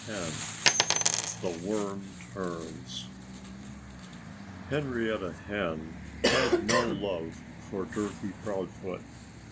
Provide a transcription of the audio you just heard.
X THE WORM TURNS Henrietta Hen had no love for Turkey Proudfoot.